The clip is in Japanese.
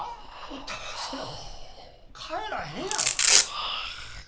歌わせなこれ帰らへんやろ。